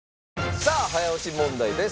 さあ早押し問題です。